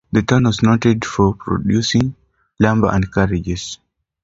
The town was noted for producing lumber and carriages.